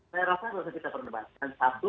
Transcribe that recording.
saya rasa kita perlu debatkan satu